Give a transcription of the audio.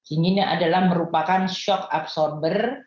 inginnya adalah merupakan shock absorber